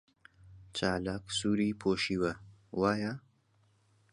چالاک سووری پۆشیوە، وایە؟